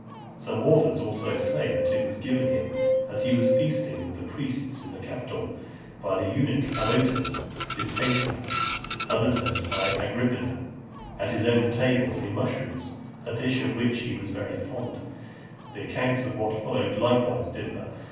Some authors say that it was given him as he was feasting with the priests in the Capitol, by the eunuch Halotus, his taster. Others say (331) by Agrippina, at his own table, in mushrooms, a dish of which he was very fond . The accounts of what followed likewise differ.